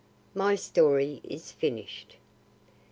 My story is finished.